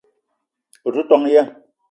O te ton ya?